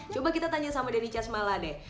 coba kita tanya sama denny chasmala deh